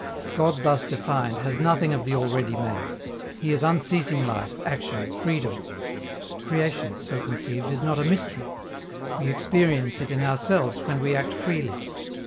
God thus defined, has nothing of the already made; He is unceasing life, action, freedom. Creation, so conceived, is not a mystery; we experience it in ourselves when we act freely.